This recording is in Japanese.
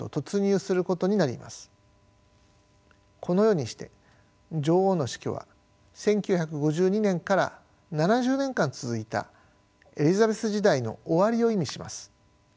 このようにして女王の死去は１９５２年から７０年間続いたエリザベス時代の終わりを意味します。